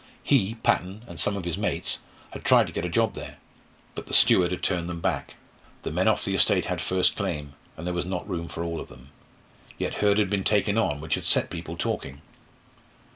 He, Patton, and some of his mates, had tried to get a job there. But the steward had turned them back. The men off the estate had first claim, and there was not room for all of them. Yet Hurd had been taken on, which had set people talking.